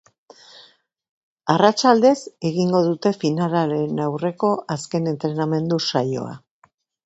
Arratsaldez egingo dute finalaren aurreko azken entrenamendu saioa.